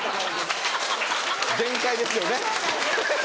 全開ですよね。